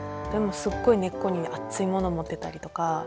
でもすっごい根っこに熱いものを持ってたりとか。